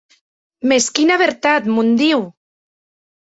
Mès quina vertat, mon Diu!